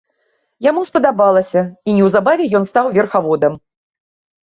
Яму спадабалася, і неўзабаве ён стаў верхаводам.